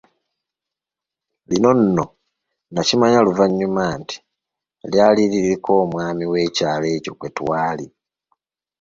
Lino nno nakimanya luvannyuma nti, lyali lik’omwami w’ekyalo ekyo kwe twali.